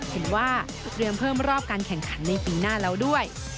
เห็นว่าเตรียมเพิ่มรอบการแข่งขันในปีหน้าแล้วด้วย